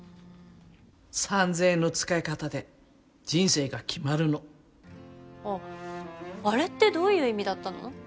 三千円の使いかたで人生が決まるのあっあれってどういう意味だったの？